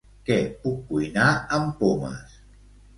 Què puc cuinar amb pomes?